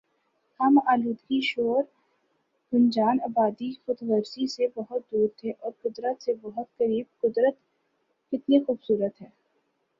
ہم آلودگی شور گنجان آبادی خود غرضی سے بہت دور تھے اور قدرت سے بہت قریب قدرت کتنی خوب صورت ہے